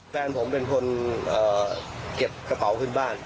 แฟนผมเป็นคนเก็บกระเป๋าขึ้นบ้าน